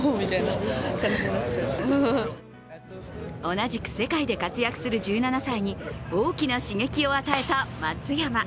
同じく世界で活躍する１７歳に、大きな刺激を与えた松山。